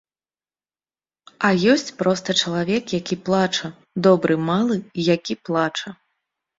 А ёсць проста чалавек, які плача, добры малы, які плача.